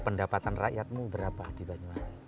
pendapatan rakyatmu berapa di banyuwangi